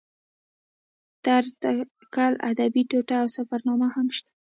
طنز تکل ادبي ټوټه او سفرنامه هم شته.